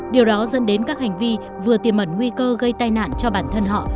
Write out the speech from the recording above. điều đó dẫn đến các hành vi vừa tiềm ẩn nguy cơ gây tai nạn cho bản thân họ